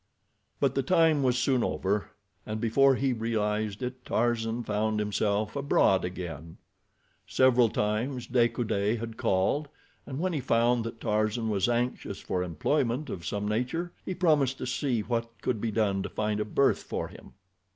But the time was soon over, and before he realized it Tarzan found himself abroad again. Several times De Coude had called, and when he found that Tarzan was anxious for employment of some nature he promised to see what could be done to find a berth for him.